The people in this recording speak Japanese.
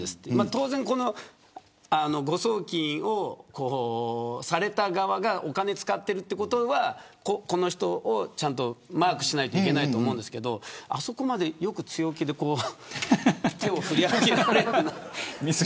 当然、誤送金をされた側がお金を使っていることはこの人をマークしないといけないと思うんですけどあそこまでよく強気で手を振り上げられるな。